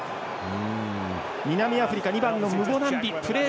南アフリカ、２番のムボナンビプレー